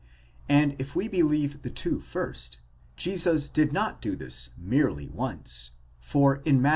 And if we believe the two first, Jesus did not do this merely once ; for in Matt.